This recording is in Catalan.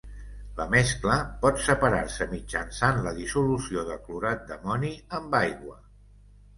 La mescla pot separar-se mitjançant la dissolució de clorat d'amoni amb aigua.